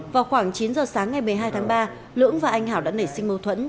vào khoảng chín giờ sáng ngày một mươi hai tháng ba lưỡng và anh hảo đã nảy sinh mâu thuẫn